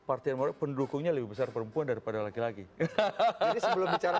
itu pendukungnya lebih besar perempuan daripada laki laki hahaha